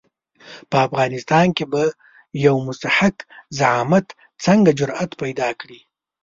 په افغانستان کې به یو مستحق زعامت څنګه جرآت پیدا کړي.